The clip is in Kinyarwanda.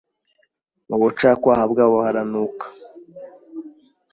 mu bucakwaha bwabo haranuka